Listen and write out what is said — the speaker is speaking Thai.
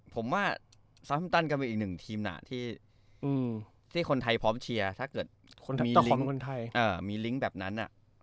ผมว่าซาฟิมตันก็เป็นอีกหนึ่งทีมที่คนไทยพร้อมเชียร์ถ้าเกิดมีลิงก์แบบนั้น